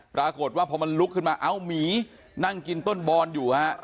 ปรากฏว่าพอมันลุกขึ้นมาเอ้าหมีนั่งกินต้นบอนอยู่ฮะ